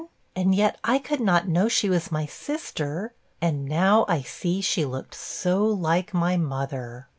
and yet I could not know she was my sister; and now I see she looked so like my mother.'